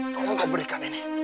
tolong kau berikan ini